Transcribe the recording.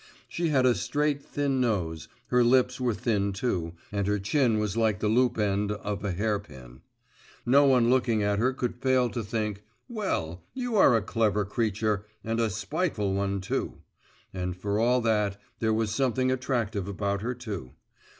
She had a straight thin nose, her lips were thin too, and her chin was like the loop end of a hair pin. No one looking at her could fail to think: 'Well, you are a clever creature and a spiteful one, too!' And for all that, there was something attractive about her too.